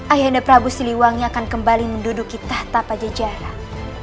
akhirnya prabu siliwangi akan kembali menduduki tahta pajajaran